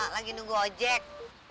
lagi nunggu ojek